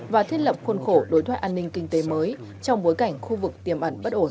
và thiết lập khuôn khổ đối thoại an ninh kinh tế mới trong bối cảnh khu vực tiềm ẩn bất ổn